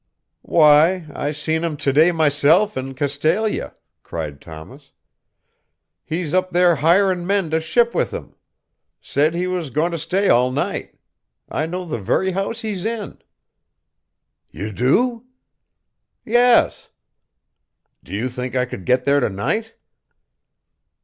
"Why, I seen him to day myself in Castalia!" cried Thomas. "He's up there hirin' men to ship with him. Said he was goin' to stay all night. I know the very house he's in." "You do?" "Yes." "Do you think I could get there to night?"